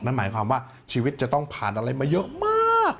นั่นหมายความว่าชีวิตจะต้องผ่านอะไรมาเยอะมาก